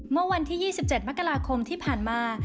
เมื่อวันที่๒๗มกราคมที่ผ่านมา